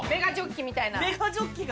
メガジョッキが。